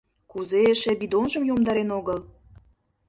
Кузе эше бидонжым йомдарен огыл?